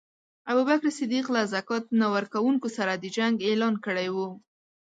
ابوبکر صدیق له ذکات نه ورکونکو سره د جنګ اعلان کړی وو.